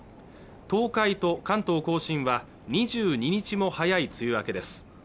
東海と関東甲信は２２日も早い梅雨明けです